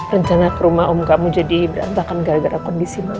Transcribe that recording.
rencana ke rumah om kamu jadi berantakan gara gara kondisimu